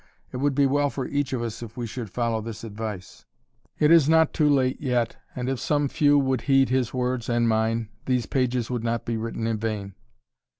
It would be well for each of us if we should follow this advice. It is not too late yet and if some few would heed his words and mine, these pages would not be written in vain.